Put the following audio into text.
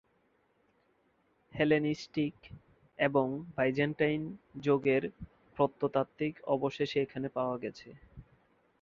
Hellenistic এবং Byzantine যুগের প্রত্নতাত্ত্বিক অবশেষ এখানে পাওয়া গেছে।